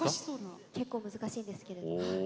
結構難しいんですけれども。